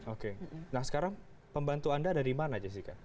oke nah sekarang pembantu anda dari mana jessica